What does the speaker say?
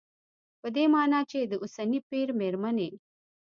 په دې مانا چې د اوسني پېر مېرمنې